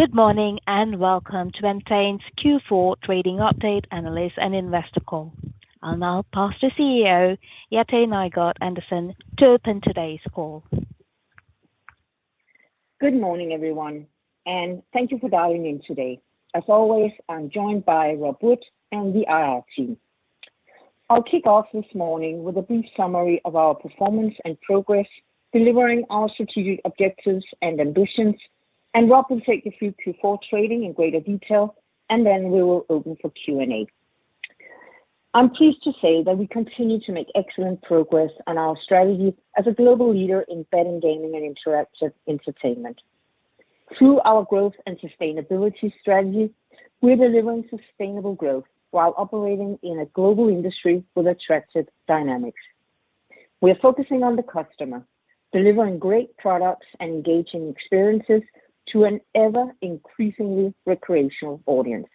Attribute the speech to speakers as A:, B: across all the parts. A: Good morning and welcome to Entain's Q4 Trading Update Analyst and Investor Call. I'll now pass to CEO Jette Nygaard-Andersen to open today's call.
B: Good morning, everyone. Thank you for dialing in today. As always, I'm joined by Rob Wood and the IR team. I'll kick off this morning with a brief summary of our performance and progress delivering our strategic objectives and ambitions. Rob will take you through Q4 trading in greater detail. Then we will open for Q&A. I'm pleased to say that we continue to make excellent progress on our strategy as a global leader in betting, gaming, and interactive entertainment. Through our growth and sustainability strategy, we're delivering sustainable growth while operating in a global industry with attractive dynamics. We are focusing on the customer, delivering great products and engaging experiences to an ever-increasingly recreational audience.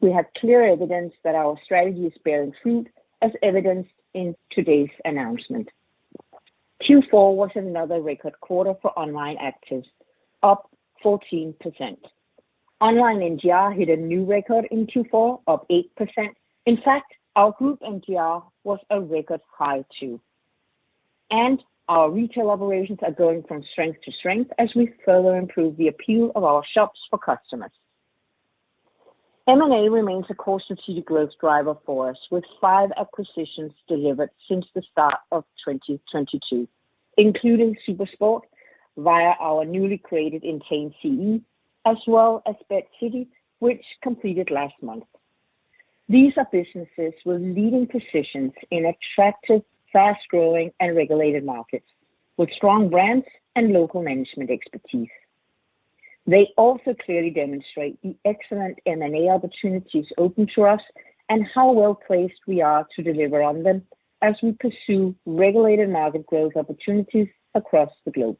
B: We have clear evidence that our strategy is bearing fruit, as evidenced in today's announcement. Q4 was another record quarter for online actives, up 14%. Online NGR hit a new record in Q4 of 8%. In fact, our group NGR was a record high, too. Our retail operations are going from strength to strength as we further improve the appeal of our shops for customers. M&A remains a core strategic growth driver for us, with 5 acquisitions delivered since the start of 2022, including SuperSport via our newly created Entain CEE, as well as BetCity, which completed last month. These are businesses with leading positions in attractive, fast-growing, and regulated markets with strong brands and local management expertise. They also clearly demonstrate the excellent M&A opportunities open to us and how well-placed we are to deliver on them as we pursue regulated market growth opportunities across the globe.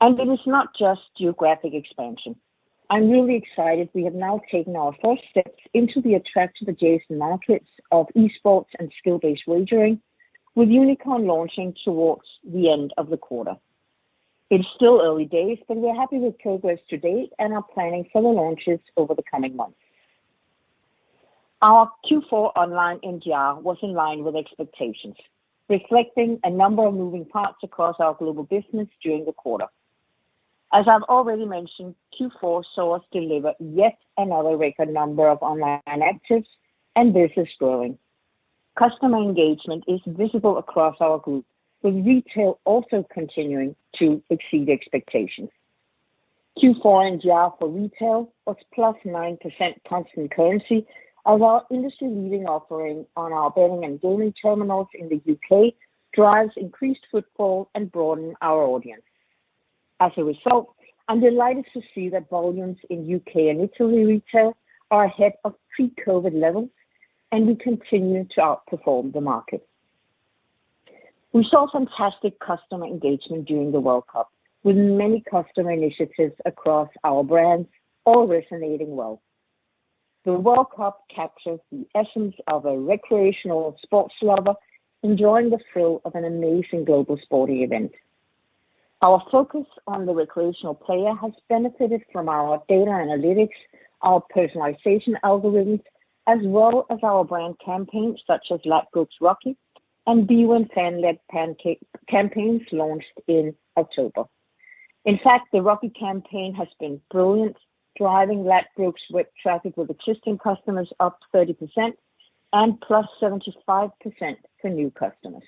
B: It is not just geographic expansion. I'm really excited we have now taken our first steps into the attractive adjacent markets of esports and skill-based wagering with Unikrn launching towards the end of the quarter. It's still early days, but we're happy with progress to date and are planning further launches over the coming months. Our Q4 online NGR was in line with expectations, reflecting a number of moving parts across our global business during the quarter. As I've already mentioned, Q4 saw us deliver yet another record number of online actives and business growing. Customer engagement is visible across our group, with retail also continuing to exceed expectations. Q4 NGR for retail was +9% constant currency as our industry-leading offering on our betting and gaming terminals in the U.K. drives increased footfall and broaden our audience. As a result, I'm delighted to see that volumes in U.K. and Italy retail are ahead of pre-COVID levels. We continue to outperform the market. We saw fantastic customer engagement during the World Cup, with many customer initiatives across our brands all resonating well. The World Cup captures the essence of a recreational sports lover enjoying the thrill of an amazing global sporting event. Our focus on the recreational player has benefited from our data analytics, our personalization algorithms, as well as our brand campaigns such as Ladbrokes Rocky and bwin fan-led campaigns launched in October. In fact, the Rocky campaign has been brilliant, driving Ladbrokes web traffic with existing customers up 30% and plus 75% for new customers.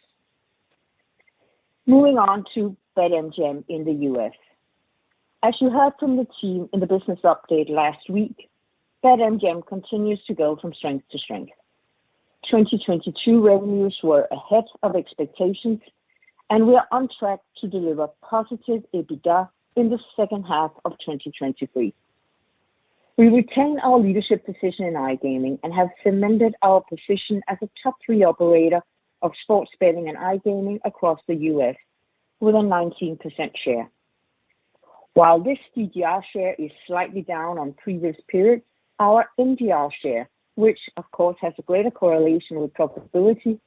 B: Moving on to BetMGM in the U.S. As you heard from the team in the business update last week, BetMGM continues to go from strength to strength. 2022 revenues were ahead of expectations and we are on track to deliver positive EBITDA in the second half of 2023. We retain our leadership position in iGaming and have cemented our position as a top three operator of sports betting and iGaming across the U.S. with a 19% share. While this GGR share is slightly down on previous periods, our NGR share, which of course has a greater correlation with profitability,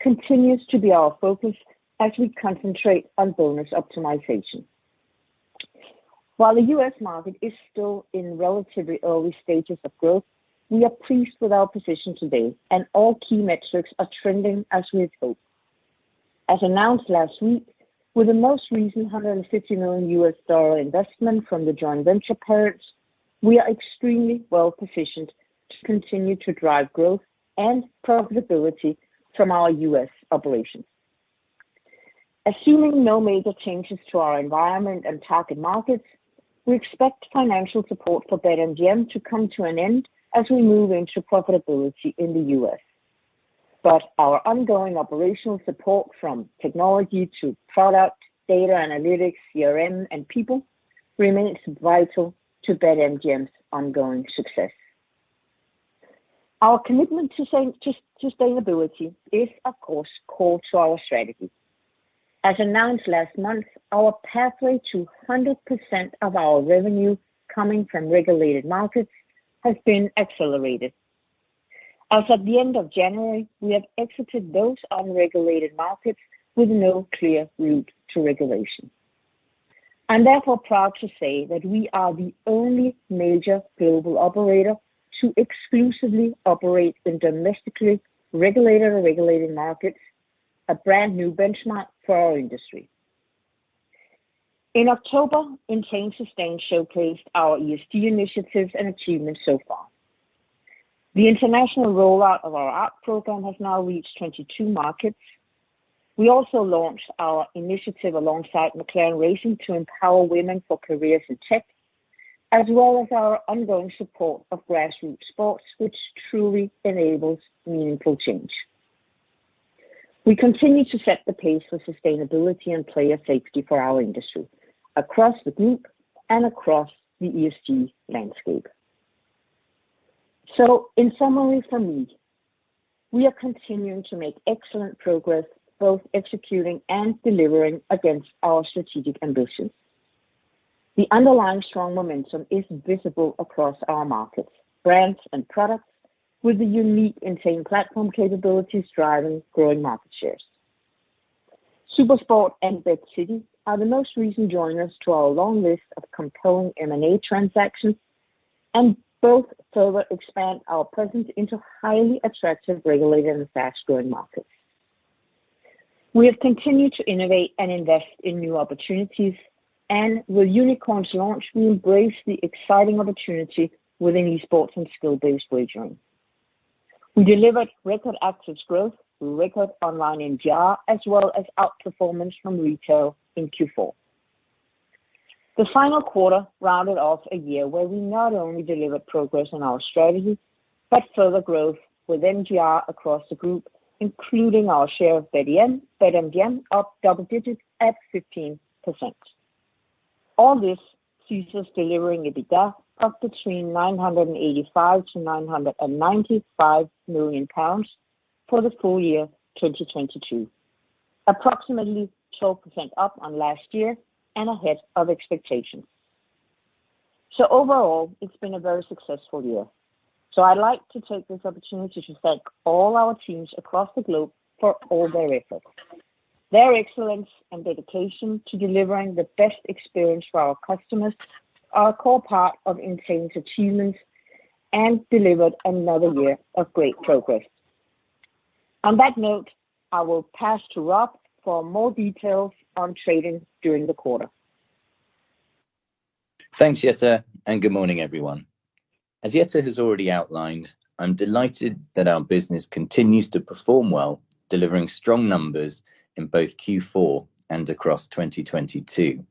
B: continues to be our focus as we concentrate on bonus optimization. While the U.S. market is still in relatively early stages of growth, we are pleased with our position today and all key metrics are trending as we had hoped. As announced last week, with the most recent $150 million US dollar investment from the joint venture partners, we are extremely well positioned to continue to drive growth and profitability from our U.S. operations. Assuming no major changes to our environment and target markets, we expect financial support for BetMGM to come to an end as we move into profitability in the U.S. Our ongoing operational support from technology to product, data analytics, CRM, and people remains vital to BetMGM's ongoing success. Our commitment to sustainability is of course core to our strategy. As announced last month, our pathway to 100% of our revenue coming from regulated markets has been accelerated. As of the end of January, we have exited those unregulated markets with no clear route to regulation. I'm therefore proud to say that we are the only major global operator to exclusively operate in domestically regulated or regulated markets, a brand new benchmark for our industry. In October, Entain Sustain showcased our ESG initiatives and achievements so far. The international rollout of our ARC program has now reached 22 markets. We also launched our initiative alongside McLaren Racing to empower women for careers in tech, as well as our ongoing support of grassroots sports, which truly enables meaningful change. We continue to set the pace for sustainability and player safety for our industry across the group and across the ESG landscape. In summary from me, we are continuing to make excellent progress, both executing and delivering against our strategic ambitions. The underlying strong momentum is visible across our markets, brands and products with the unique Entain platform capabilities driving growing market shares. SuperSport and BetCity are the most recent joiners to our long list of compelling M&A transactions, both further expand our presence into highly attractive, regulated and fast-growing markets. We have continued to innovate and invest in new opportunities, and with Unikrn's launch, we embrace the exciting opportunity within esports and skill-based wagering. We delivered record actives growth, record online NGR, as well as outperformance from retail in Q4. The final quarter rounded off a year where we not only delivered progress on our strategy, but further growth with NGR across the group, including our share of BetMGM up double digits at 15%. All this sees us delivering EBITDA of between 985 million to 995 million pounds for the full year 2022, approximately 12% up on last year and ahead of expectations. Overall, it's been a very successful year. I'd like to take this opportunity to thank all our teams across the globe for all their efforts. Their excellence and dedication to delivering the best experience for our customers are a core part of Entain's achievements and delivered another year of great progress. On that note, I will pass to Rob for more details on trading during the quarter.
C: Thanks, Jette. Good morning, everyone. As Jette has already outlined, I'm delighted that our business continues to perform well, delivering strong numbers in both Q4 and across 2022.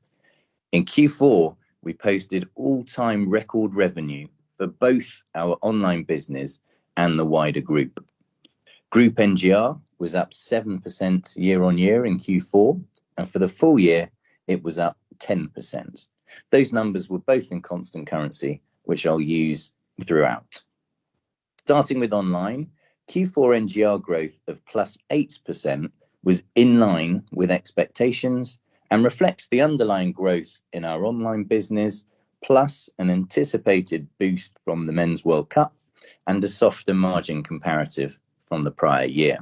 C: In Q4, we posted all-time record revenue for both our online business and the wider group. Group NGR was up 7% year-over-year in Q4, and for the full year it was up 10%. Those numbers were both in constant currency, which I'll use throughout. Starting with online, Q4 NGR growth of +8% was in line with expectations and reflects the underlying growth in our online business, plus an anticipated boost from the FIFA World Cup and a softer margin comparative from the prior year.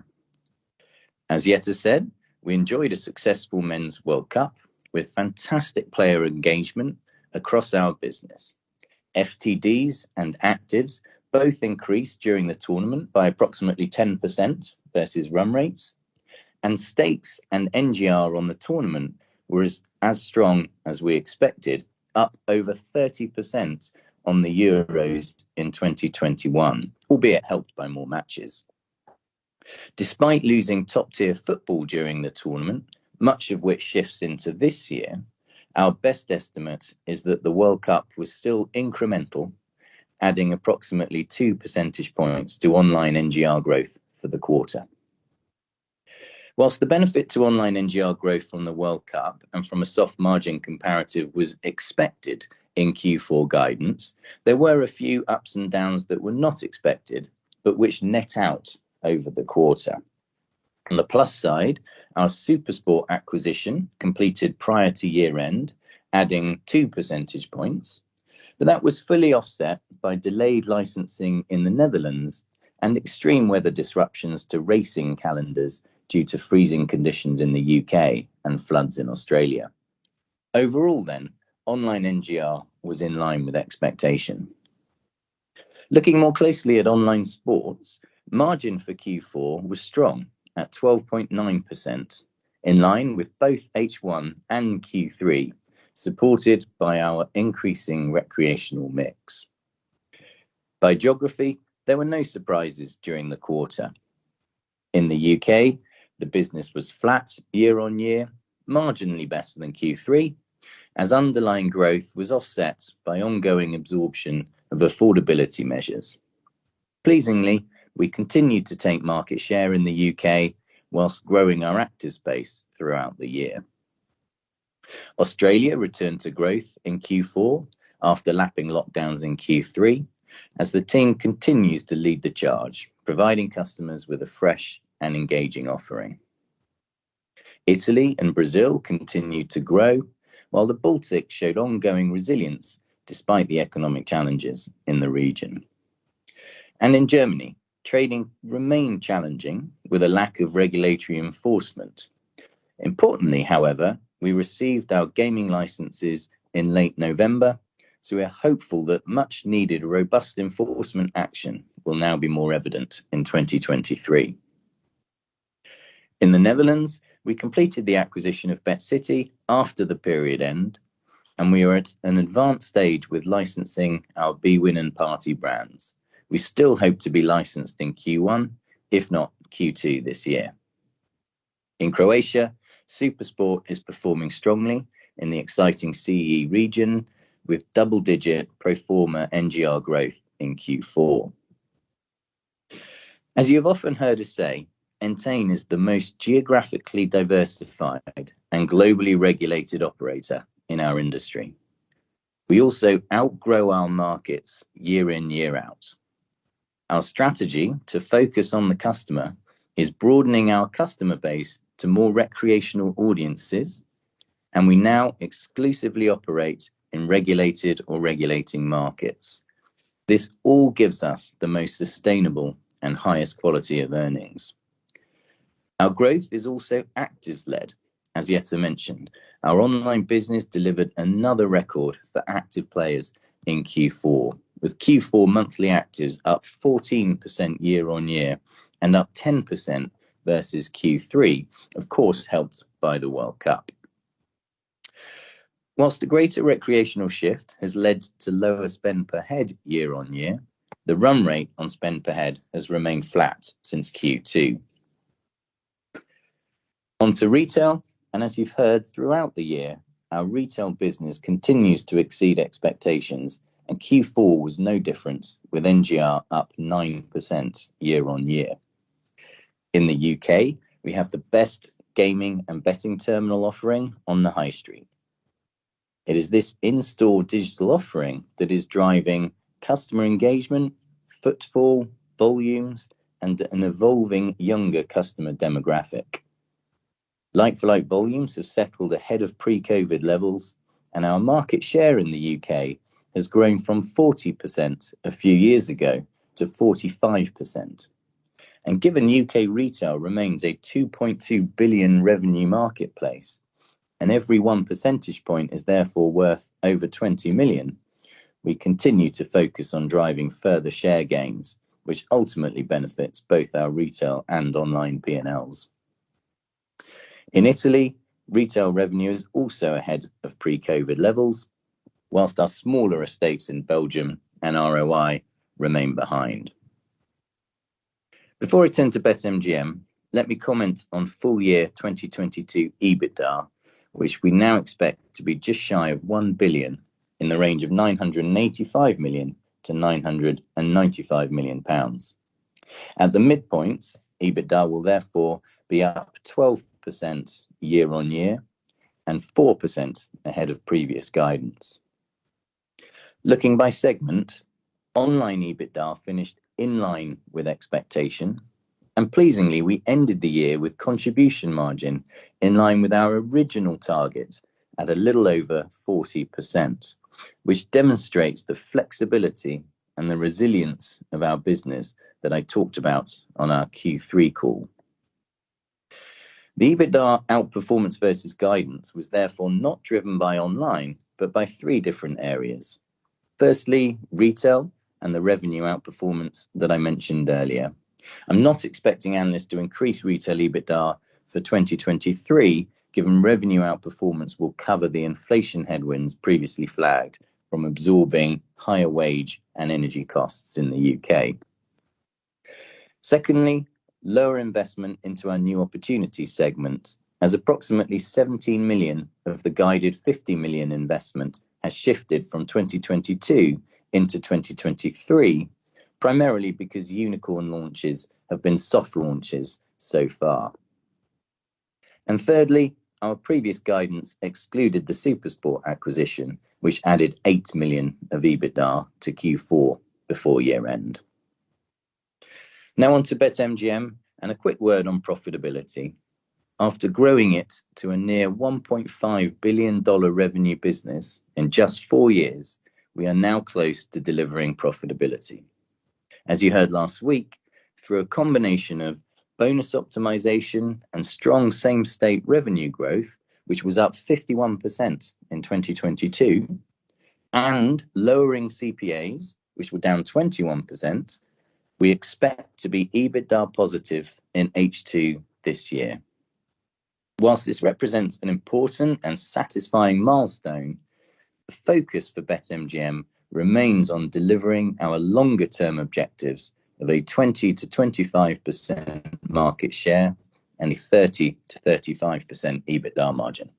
C: As Jette said, we enjoyed a successful FIFA World Cup with fantastic player engagement across our business. FTDs and actives both increased during the tournament by approximately 10% versus run rates, stakes and NGR on the tournament were as strong as we expected, up over 30% on the Euros in 2021, albeit helped by more matches. Despite losing top-tier football during the tournament, much of which shifts into this year, our best estimate is that the World Cup was still incremental, adding approximately 2 percentage points to online NGR growth for the quarter. The benefit to online NGR growth from the World Cup and from a soft-margin-comparative was expected in Q4 guidance, there were a few ups and downs that were not expected, but which net out over the quarter. On the plus side, our SuperSport acquisition completed prior to year-end, adding 2 percentage points, but that was fully offset by delayed licensing in the Netherlands and extreme weather disruptions to racing calendars due to freezing conditions in the UK and floods in Australia. Overall, online NGR was in line with expectation. Looking more closely at online sports, margin for Q4 was strong at 12.9%, in line with both H1 and Q3, supported by our increasing recreational mix. By geography, there were no surprises during the quarter. In the UK, the business was flat year-on-year, marginally better than Q3, as underlying growth was offset by ongoing absorption of affordability measures. Pleasingly, we continued to take market share in the UK whilst growing our actives base throughout the year. Australia returned to growth in Q4 after lapping lockdowns in Q3 as the team continues to lead the charge, providing customers with a fresh and engaging offering. Italy and Brazil continued to grow while the Baltic showed ongoing resilience despite the economic challenges in the region. In Germany, trading remained challenging with a lack of regulatory enforcement. Importantly, however, we received our gaming licenses in late November. We're hopeful that much-needed robust enforcement action will now be more evident in 2023. In the Netherlands, we completed the acquisition of BetCity after the period end. We are at an advanced stage with licensing our bwin and Party brands. We still hope to be licensed in Q1, if not Q2 this year. In Croatia, SuperSport is performing strongly in the exciting CE region with double-digit pro forma NGR growth in Q4. As you've often heard us say, Entain is the most geographically diversified and globally regulated operator in our industry. We also outgrow our markets year in, year out. Our strategy to focus on the customer is broadening our customer base to more recreational audiences, and we now exclusively operate in regulated or regulating markets. This all gives us the most sustainable and highest quality of earnings. Our growth is also actives-led. As Jette mentioned, our online business delivered another record for active players in Q4, with Q4 monthly actives up 14% year-on-year and up 10% versus Q3, of course, helped by the World Cup. Whilst the greater recreational shift has led to lower spend per head year-on-year, the run rate on spend per head has remained flat since Q2. On to retail. As you've heard throughout the year, our retail business continues to exceed expectations. Q4 was no different with NGR up 9% year-over-year. In the U.K., we have the best gaming and betting terminal offering on the high street. It is this in-store digital offering that is driving customer engagement, footfall, volumes, and an evolving younger customer demographic. Like-for-like volumes have settled ahead of pre-COVID levels. Our market share in the U.K. has grown from 40% a few years ago to 45%. Given U.K. retail remains a 2.2 billion revenue marketplace. Every 1 percentage point is therefore worth over 20 million. We continue to focus on driving further share gains, which ultimately benefits both our retail and online P&Ls. In Italy, retail revenue is also ahead of pre-COVID levels, while our smaller estates in Belgium and ROI remain behind. Before I turn to BetMGM, let me comment on full year 2022 EBITDA, which we now expect to be just shy of 1 billion in the range of 985 million to 995 million pounds. At the midpoint, EBITDA will therefore be up 12% year-on-year and 4% ahead of previous guidance. Looking by segment, online EBITDA finished in line with expectation. Pleasingly, we ended the year with contribution margin in line with our original target at a little over 40%, which demonstrates the flexibility and the resilience of our business that I talked about on our Q3 call. The EBITDA outperformance versus guidance was therefore not driven by online, but by three different areas. Firstly, retail and the revenue outperformance that I mentioned earlier. I'm not expecting analysts to increase retail EBITDA for 2023, given revenue outperformance will cover the inflation headwinds previously flagged from absorbing higher wage and energy costs in the UK. Secondly, lower investment into our new opportunity segment as approximately 17 million of the guided 50 million investment has shifted from 2022 into 2023, primarily because Unikrn launches have been soft launches so far. Thirdly, our previous guidance excluded the SuperSport acquisition, which added 8 million of EBITDA to Q4 before year-end. Now on to BetMGM and a quick word on profitability. After growing it to a near $1.5 billion revenue business in just four years, we are now close to delivering profitability. As you heard last week, through a combination of bonus optimization and strong same state revenue growth, which was up 51% in 2022, and lowering CPAs, which were down 21%, we expect to be EBITDA positive in H2 this year. While this represents an important and satisfying milestone, the focus for BetMGM remains on delivering our longer term objectives of a 20% to 25% market share and a 30% to 35% EBITDA margin.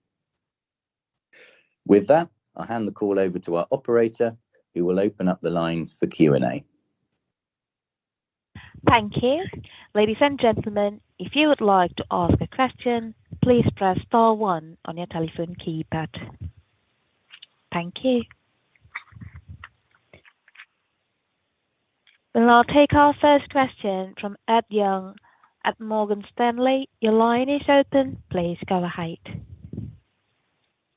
C: With that, I'll hand the call over to our operator who will open up the lines for Q&A.
A: Thank you. Ladies and gentlemen, if you would like to ask a question, please press star one on your telephone keypad. Thank you. We'll now take our first question from Ed Young at Morgan Stanley. Your line is open. Please go ahead.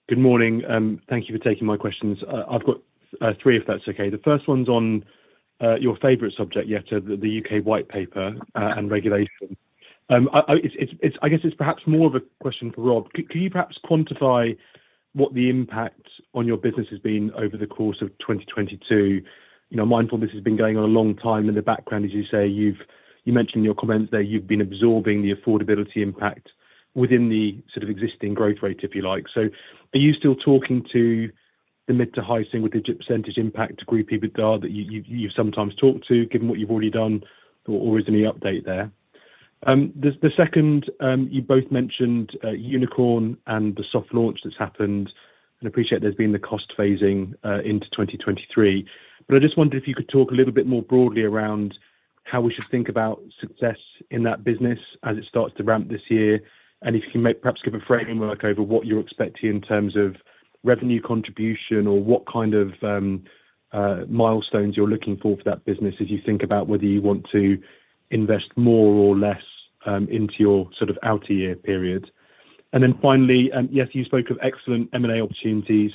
D: Good morning, thank you for taking my questions. I've got three, if that's okay. The first one's on your favorite subject, Jette, the U.K. white paper and regulation. I, it's, I guess it's perhaps more of a question for Rob. Could you perhaps quantify what the impact on your business has been over the course of 2022? You know, mindful this has been going on a long time in the background, as you say, you mentioned in your comments that you've been absorbing the affordability impact within the sort of existing growth rate, if you like. Are you still talking to the mid to high-single-digit percentage impact group, people that are, that you've sometimes talked to, given what you've already done or is any update there? The, the second, you both mentioned Unikrn and the soft launch that's happened, and I appreciate there's been the cost phasing into 2023. I just wondered if you could talk a little bit more broadly around how we should think about success in that business as it starts to ramp this year, and if you may perhaps give a framework over what you're expecting in terms of revenue contribution or what kind of milestones you're looking for for that business as you think about whether you want to invest more or less into your sort of outer year period. Then finally, Jette, you spoke of excellent M&A opportunities.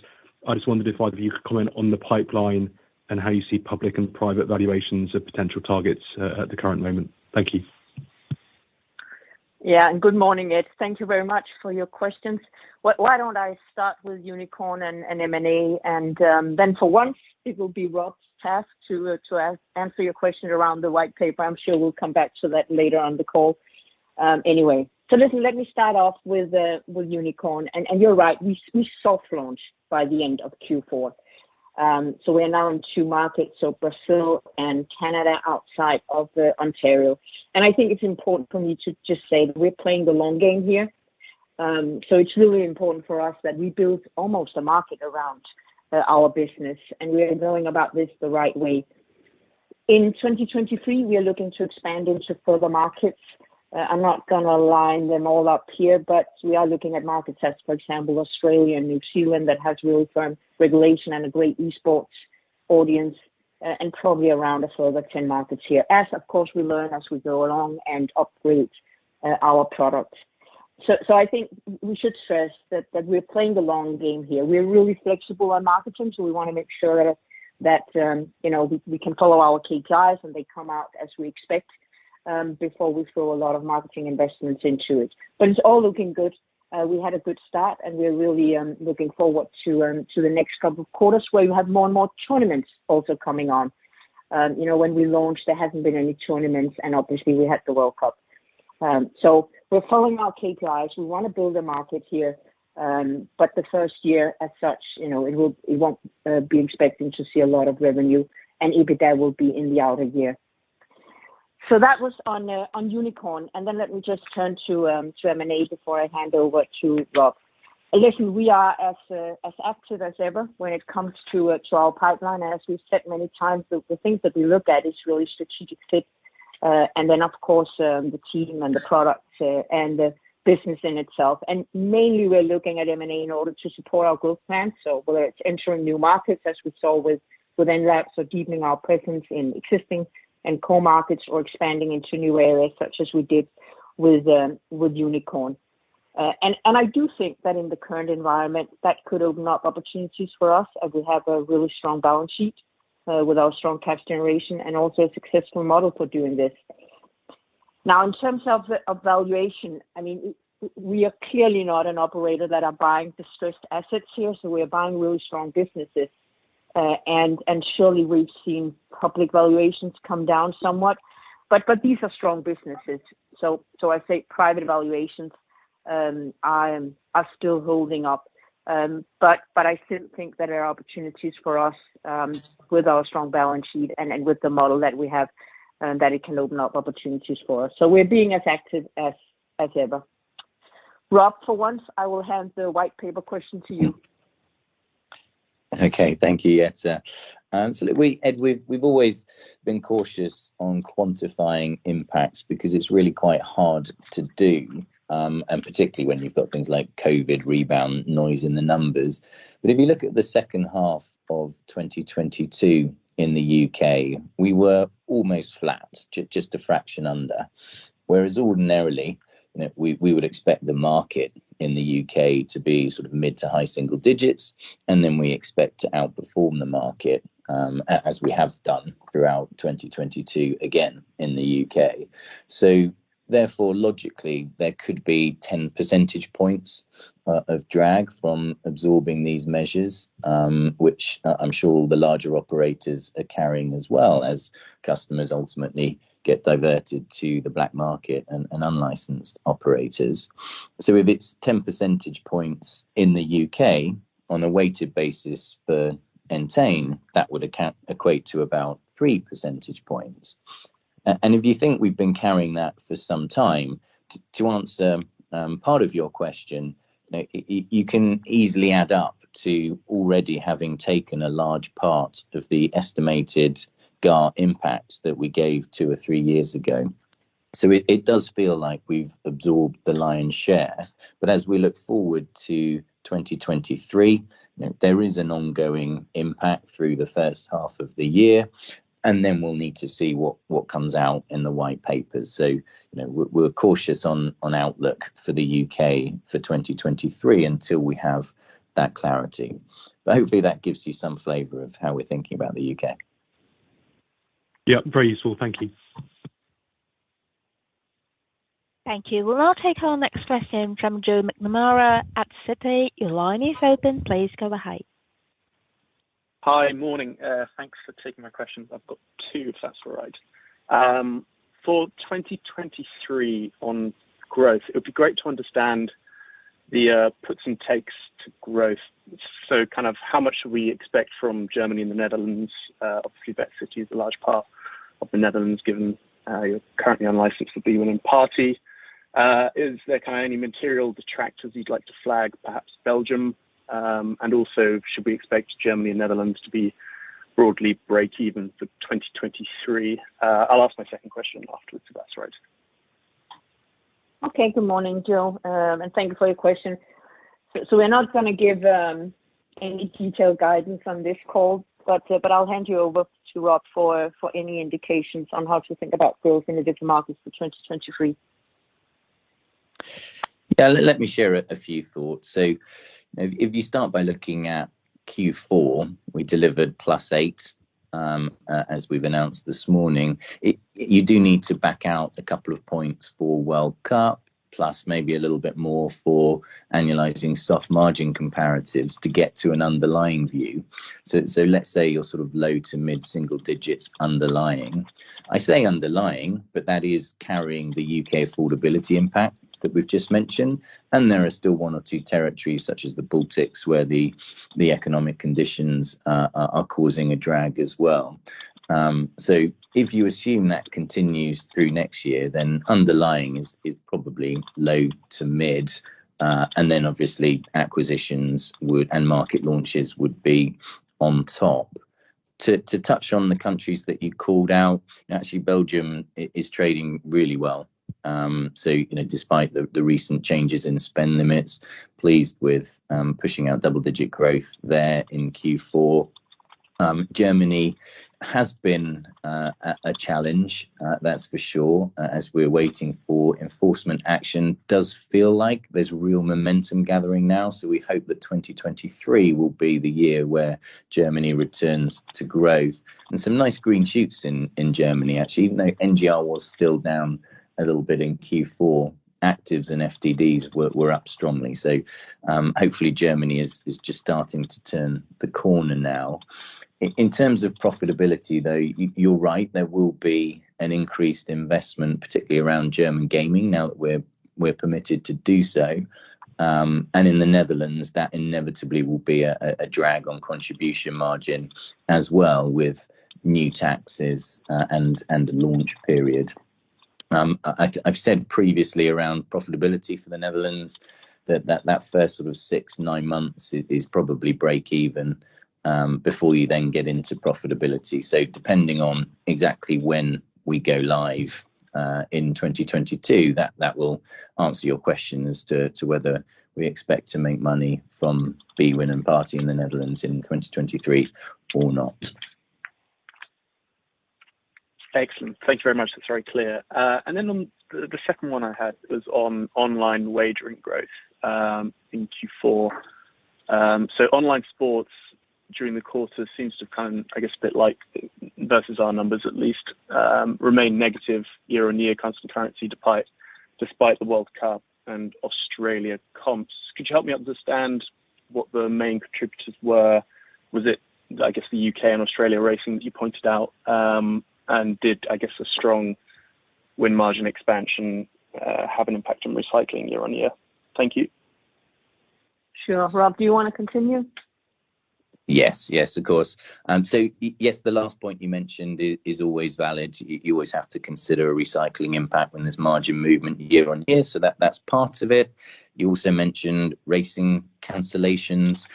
D: I just wondered if either of you could comment on the pipeline and how you see public and private valuations of potential targets at the current moment. Thank you.
B: Yeah. Good morning, Ed. Thank you very much for your questions. Why don't I start with Unikrn and M&A, then for once, it will be Rob's task to answer your question around the white paper. I'm sure we'll come back to that later on the call, anyway. Listen, let me start off with Unikrn. You're right, we soft launched by the end of Q4. We're now in two markets, Brazil and Canada outside of Ontario. I think it's important for me to just say that we're playing the long game here. It's really important for us that we build almost a market around our business, and we are going about this the right way. In 2023, we are looking to expand into further markets. I'm not going to line them all up here. We are looking at markets as, for example, Australia and New Zealand, that has really firm regulation and a great esports audience, and probably around a further 10 markets here. As of course we learn as we go along and upgrade our products. I think we should stress that we're playing the long game here. We're really flexible on marketing. We want to make sure that, you know, we can follow our KPIs and they come out as we expect before we throw a lot of marketing investments into it. It's all looking good. We had a good start and we're really looking forward to the next couple of quarters where you have more and more tournaments also coming on. You know, when we launched, there hasn't been any tournaments and obviously we had the World Cup. We're following our KPIs. We wanna build a market here, but the first year as such, you know, it won't be expecting to see a lot of revenue and EBITDA will be in the outer year. That was on Unikrn, and then let me just turn to M&A before I hand over to Rob. Listen, we are as active as ever when it comes to our pipeline. As we've said many times, the things that we look at is really strategic fit, and then of course, the team and the products, and the business in itself. Mainly we're looking at M&A in order to support our growth plan. Whether it's entering new markets as we saw with Entain Labs or deepening our presence in existing and core markets or expanding into new areas such as we did with Unikrn. I do think that in the current environment, that could open up opportunities for us as we have a really strong balance sheet, with our strong cash generation and also a successful model for doing this. Now, in terms of valuation, I mean, we are clearly not an operator that are buying distressed assets here, we are buying really strong businesses. Surely we've seen public valuations come down somewhat, but these are strong businesses. I say private valuations are still holding up. But I still think that there are opportunities for us, with our strong balance sheet and with the model that we have, that it can open up opportunities for us. We're being as active as ever. Rob, for once, I will hand the white paper question to you.
C: Okay. Thank you, Jette. Ed, we've always been cautious on quantifying impacts because it's really quite hard to do, and particularly when you've got things like COVID rebound noise in the numbers. But if you look at the second half of 2022 in the U.K., we were almost flat, just a fraction under. Whereas ordinarily, you know, we would expect the market in the U.K. to be sort of mid to high-single-digits, then we expect to outperform the market, as we have done throughout 2022 again in the U.K. Therefore, logically, there could be 10 percentage points of drag from absorbing these measures, which I'm sure the larger operators are carrying as well as customers ultimately get diverted to the black market and unlicensed operators. If it's 10 percentage points in the U.K. on a weighted basis for Entain, that would equate to about 3 percentage points. And if you think we've been carrying that for some time, to answer part of your question, you can easily add up to already having taken a large part of the estimated GGR impact that we gave 2 or 3 years ago. It does feel like we've absorbed the lion's share. As we look forward to 2023, you know, there is an ongoing impact through the first half of the year, and then we'll need to see what comes out in the white papers. You know, we're cautious on outlook for the U.K. for 2023 until we have that clarity. Hopefully that gives you some flavor of how we're thinking about the U.K.
D: Yeah, very useful. Thank you.
A: Thank you. We'll now take our next question from Joseph McNamara at Citi. Your line is open. Please go ahead.
E: Hi. Morning. Thanks for taking my questions. I've got two, if that's all right. For 2023 on growth, it would be great to understand the puts and takes to growth. Kind of how much should we expect from Germany and the Netherlands, obviously BetCity is a large part of the Netherlands, given you're currently unlicensed with the bwin and. Is there kind of any material detractors you'd like to flag, perhaps Belgium? Also, should we expect Germany and Netherlands to be broadly breakeven for 2023? I'll ask my second question afterwards, if that's all right.
B: Okay. Good morning, Joseph, and thank you for your question. We're not gonna give any detailed guidance on this call, but I'll hand you over to Rob for any indications on how to think about growth in the different markets for 2023.
C: Yeah. Let me share a few thoughts. If you start by looking at Q4, we delivered +8% as we've announced this morning. You do need to back out 2 points for World Cup, plus maybe a little bit more for annualizing soft-margin-comparatives to get to an underlying view. Let's say you're sort of low to mid-single digits underlying. I say underlying, but that is carrying the U.K. affordability impact that we've just mentioned, and there are still one or two territories, such as the Baltics, where the economic conditions are causing a drag as well. If you assume that continues through next year, then underlying is probably low to mid, and then obviously acquisitions would and market launches would be on top. To touch on the countries that you called out, actually, Belgium is trading really well. You know, despite the recent changes in spend limits, pleased with pushing out double-digit growth there in Q4. Germany has been a challenge, that's for sure, as we're waiting for enforcement action. Does feel like there's real momentum gathering now. We hope that 2023 will be the year where Germany returns to growth. Some nice green shoots in Germany actually. Even though NGR was still down a little bit in Q4, actives and FTDs were up strongly. Hopefully Germany is just starting to turn the corner now. In terms of profitability though, you're right, there will be an increased investment, particularly around German gaming now that we're permitted to do so. In the Netherlands, that inevitably will be a drag on contribution margin as well with new taxes and launch period. I've said previously around profitability for the Netherlands that first sort of 6, 9 months is probably break even before you then get into profitability. Depending on exactly when we go live in 2022, that will answer your question as to whether we expect to make money from Bwin and Party in the Netherlands in 2023 or not.
E: Excellent. Thank you very much. That's very clear. Then on the second one I had was on online wagering growth in Q4. Online sports during the quarter seems to have kind of, I guess, a bit like, versus our numbers at least, remained negative year-on-year constant currency despite the World Cup and Australia comps. Could you help me understand what the main contributors were? Was it, I guess, the U.K. and Australia racing that you pointed out? Did, I guess, a strong win margin expansion have an impact on recycling year-on-year? Thank you.
B: Sure. Rob, do you wanna continue?
C: Yes. Yes, of course. So yes, the last point you mentioned is always valid. You always have to consider a recycling impact when there's margin movement year-on-year, so that's part of it. You also mentioned racing cancellations.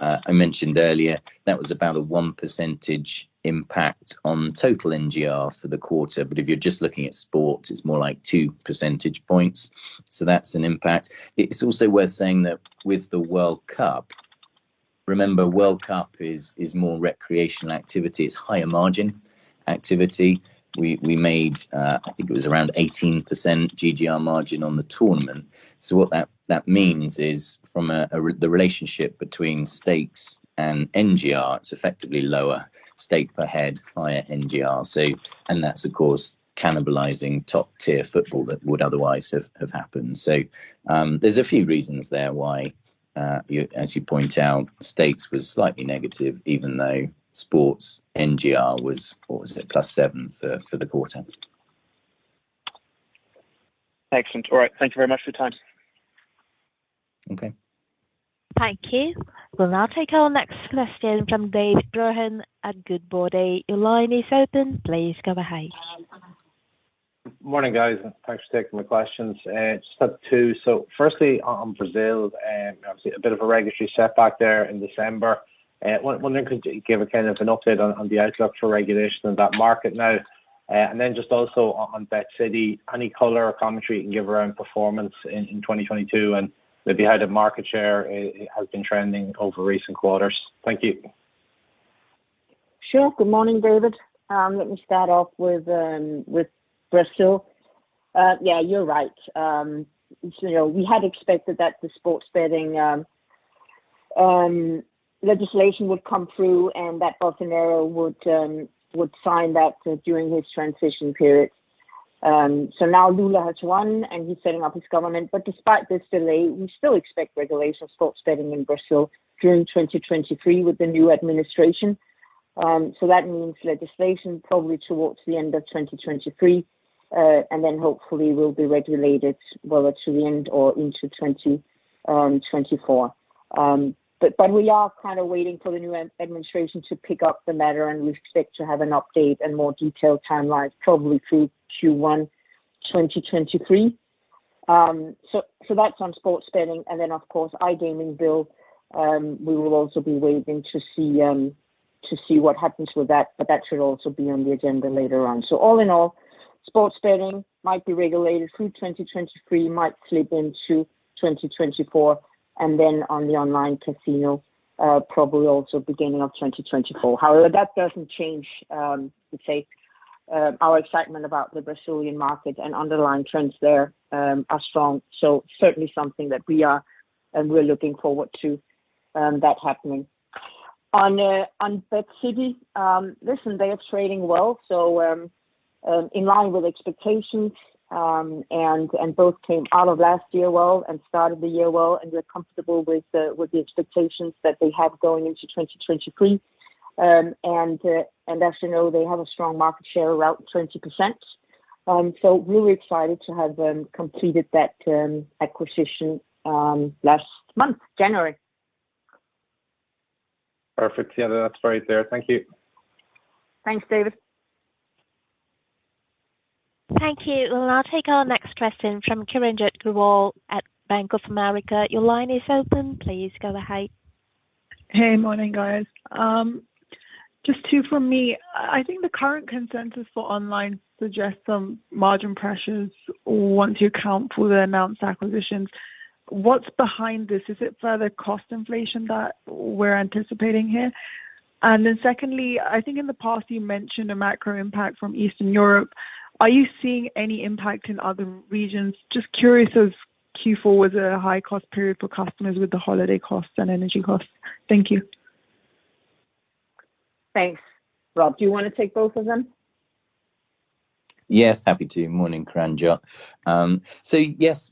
C: I mentioned earlier that was about a 1% impact on total NGR for the quarter. If you're just looking at sports, it's more like 2 percentage points, so that's an impact. It's also worth saying that with the World Cup, remember, World Cup is more recreational activity. It's higher margin activity. We made, I think it was around 18% GGR margin on the tournament. What that means is from a, the relationship between stakes and NGR, it's effectively lower stake per head, higher NGR. And that's, of course, cannibalizing top-tier football that would otherwise have happened. There's a few reasons there why, as you point out, stakes was slightly negative even though sports NGR was, what was it, +7% for the quarter.
E: Excellent. All right. Thank you very much for your time.
C: Okay.
A: Thank you. We'll now take our next question from Gavin Kelleher at Goodbody. Your line is open. Please go ahead.
F: Morning, guys. Thanks for taking my questions. Just have two. Firstly on Brazil. Obviously a bit of a regulatory setback there in December. Wondering if you could give a kind of an update on the outlook for regulation in that market now. Just also on BetCity, any color or commentary you can give around performance in 2022, and maybe how the market share has been trending over recent quarters. Thank you.
B: Sure. Good morning, Gavin. Let me start off with Brazil. Yeah, you're right. We had expected that the sports betting legislation would come through and that Bolsonaro would sign that during his transition period. Now Lula has won and he's setting up his government. But despite this delay, we still expect regulation of sports betting in Brazil during 2023 with the new administration. That means legislation probably towards the end of 2023, and then hopefully will be regulated well into the end or into 2024. But we are kind of waiting for the new administration to pick up the matter, and we expect to have an update and more detailed timelines probably through Q1 2023. That's on sports betting. Of course, iGaming Bill, we will also be waiting to see what happens with that should also be on the agenda later on. All in all, sports betting might be regulated through 2023, might slip into 2024, and then on the online casino, probably also beginning of 2024. That doesn't change, let's say, our excitement about the Brazilian market and underlying trends there are strong. Certainly something that we are and we're looking forward to that happening. On BetCity, listen, they are trading well, in line with expectations. Both came out of last year well and started the year well, and we're comfortable with the expectations that they have going into 2023. As you know, they have a strong market share of around 20%. Really excited to have completed that acquisition last month, January.
F: Perfect. Yeah, that's great to hear. Thank you.
B: Thanks, Gavin.
A: Thank you. I'll take our next question from Kiranjot Grewal at Bank of America. Your line is open. Please go ahead.
G: Hey. Morning, guys. Just two from me. I think the current consensus for online suggests some margin pressures once you account for the announced acquisitions. What's behind this? Is it further cost inflation that we're anticipating here? Secondly, I think in the past you mentioned a macro impact from Eastern Europe. Are you seeing any impact in other regions? Just curious as Q4 was a high cost period for customers with the holiday costs and energy costs. Thank you.
B: Thanks. Rob, do you wanna take both of them?
C: Yes, happy to. Morning, Kiranjot. Yes,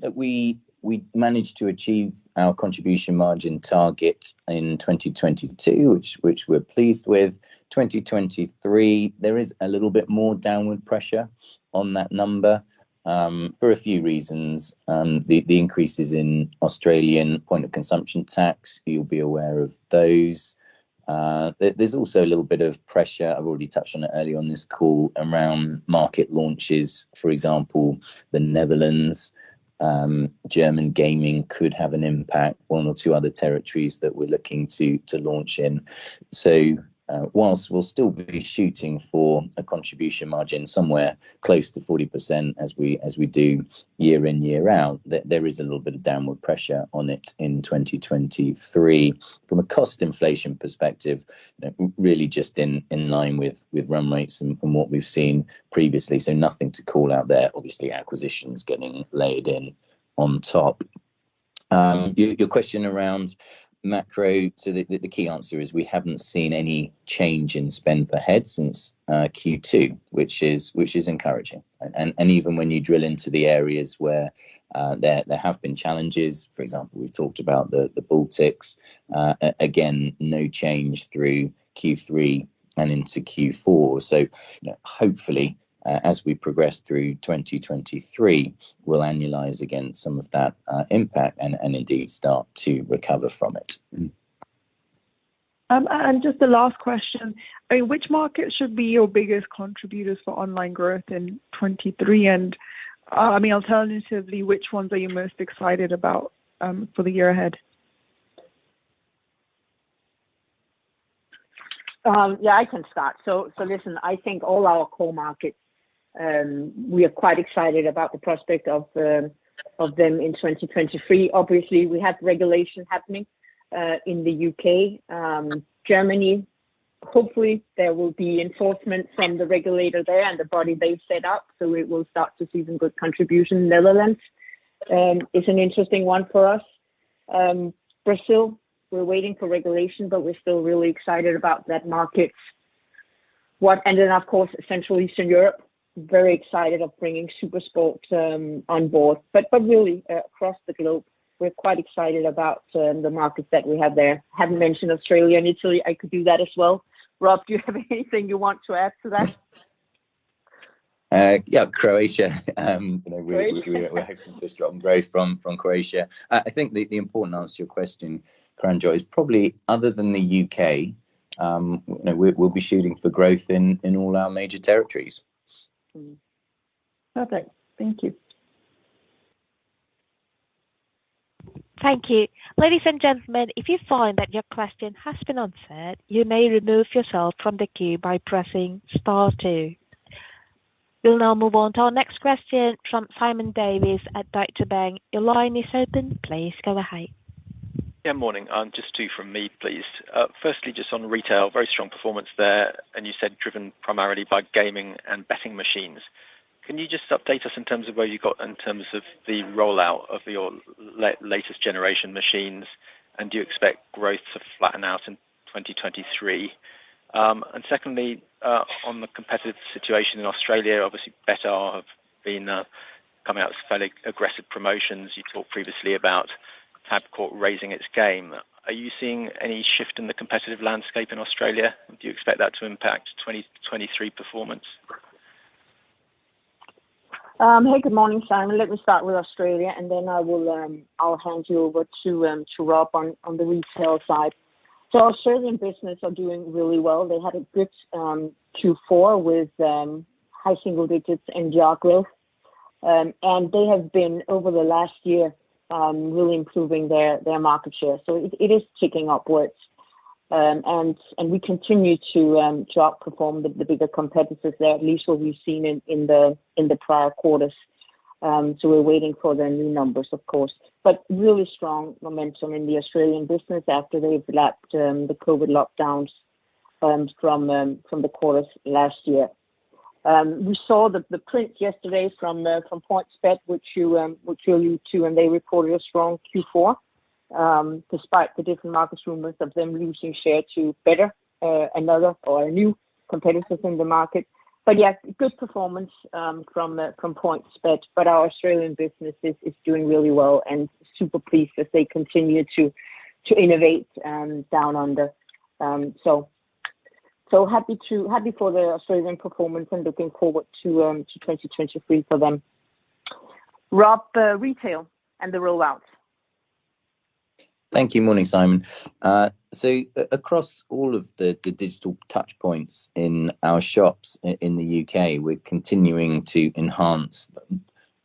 C: we managed to achieve our contribution margin target in 2022, which we're pleased with. 2023, there is a little bit more downward pressure on that number for a few reasons. The increases in Australian Point of Consumption Tax, you'll be aware of those. There's also a little bit of pressure, I've already touched on it earlier on this call, around market launches. For example, the Netherlands, German gaming could have an impact, one or two other territories that we're looking to launch in. Whilst we'll still be shooting for a contribution margin somewhere close to 40% as we do year in, year out, there is a little bit of downward pressure on it in 2023. From a cost inflation perspective, you know, really just in line with run rates and from what we've seen previously, nothing to call out there, obviously acquisitions getting layered in on top. Your question around macro. The key answer is we haven't seen any change in spend per head since Q2, which is encouraging. Even when you drill into the areas where there have been challenges, for example, we've talked about the Baltics, again, no change through Q3 and into Q4. You know, hopefully, as we progress through 2023, we'll annualize against some of that impact and indeed start to recover from it.
G: Just a last question. I mean, which market should be your biggest contributors for online growth in 2023? I mean, alternatively, which ones are you most excited about for the year ahead?
B: Yeah, I can start. Listen, I think all our core markets, we are quite excited about the prospect of them in 2023. Obviously, we have regulation happening in the U.K. Germany, hopefully there will be enforcement from the regulator there and the body they've set up, we will start to see some good contribution. Netherlands is an interesting one for us. Brazil, we're waiting for regulation, we're still really excited about that market. Of course, Central Eastern Europe, very excited of bringing SuperSport on board. Really across the globe, we're quite excited about the markets that we have there. Haven't mentioned Australia and Italy. I could do that as well. Rob, do you have anything you want to add to that?
C: Yeah, Croatia. You know, we're hoping for strong growth from Croatia. I think the important answer to your question, Kiranjot, is probably other than the U.K., you know, we'll be shooting for growth in all our major territories.
B: Perfect. Thank you.
A: Thank you. Ladies and gentlemen, if you find that your question has been unanswered, you may remove yourself from the queue by pressing star two. We'll now move on to our next question from Simon Davies at Deutsche Bank. Your line is open. Please go ahead.
H: Yeah. Morning. Just two from me, please. Firstly, just on retail, very strong performance there, and you said driven primarily by gaming and betting machines. Can you just update us in terms of where you got in terms of the rollout of your latest generation machines? Do you expect growth to flatten out in 2023? Secondly, on the competitive situation in Australia, obviously Betr have been coming out with fairly aggressive promotions. You talked previously about Tabcorp raising its game. Are you seeing any shift in the competitive landscape in Australia? Do you expect that to impact 2023 performance?
B: Hey, good morning, Simon. Let me start with Australia. I will hand you over to Rob on the retail side. Australian business are doing really well. They had a good Q4 with high-single-digits in GEO growth. They have been, over the last year, really improving their market share. It is ticking upwards. We continue to outperform the bigger competitors there, at least what we've seen in the prior quarters. We're waiting for their new numbers, of course. Really strong momentum in the Australian business after they've lapped the COVID lockdowns from the quarters last year. We saw the print yesterday from PointsBet, which you, which we'll lead to. They reported a strong Q4, despite the different markets rumors of them losing share to Betr, another or a new competitor within the market. Yes, good performance from PointsBet. Our Australian business is doing really well and super pleased as they continue to innovate down under. Happy for the Australian performance and looking forward to 2023 for them. Rob, retail and the rollouts.
C: Thank you. Morning, Simon. Across all of the digital touchpoints in our shops in the UK, we're continuing to enhance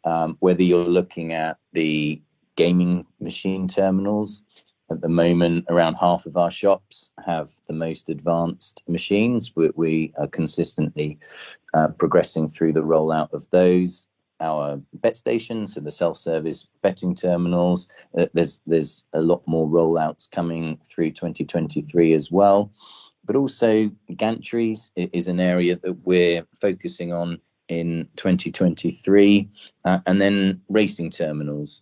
C: them. Whether you're looking at the gaming machine terminals, at the moment around half of our shops have the most advanced machines. We are consistently progressing through the rollout of those. Our bet stations and the self-service betting terminals, there's a lot more rollouts coming through 2023 as well. Also gantries is an area that we're focusing on in 2023, racing terminals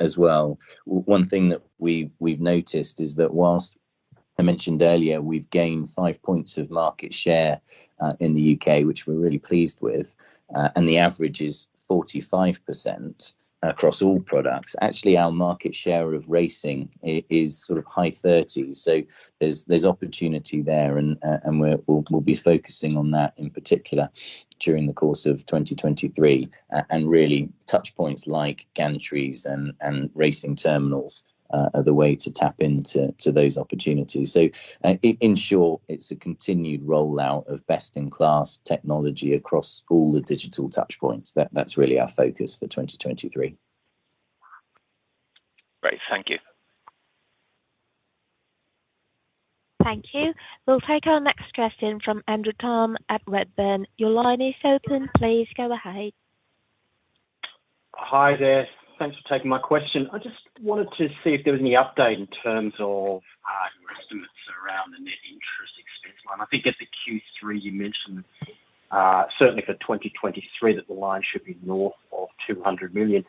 C: as well. One thing that we've noticed is that whilst I mentioned earlier, we've gained 5 points of market share in the UK, which we're really pleased with, and the average is 45% across all products. Actually, our market share of racing is sort of high thirties. There's opportunity there and we'll be focusing on that in particular during the course of 2023. Really touch points like gantries and racing terminals are the way to tap into those opportunities. In short, it's a continued rollout of best in class technology across all the digital touch points. That's really our focus for 2023.
H: Great. Thank you.
A: Thank you. We'll take our next question from Andrew Tam at Redburn. Your line is open. Please go ahead.
I: Hi there. Thanks for taking my question. I just wanted to see if there was any update in terms of your estimates around the net interest expense line. I think at the Q3, you mentioned certainly for 2023, that the line should be north of 200 million.